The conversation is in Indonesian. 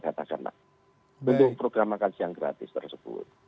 untuk program makan siang gratis tersebut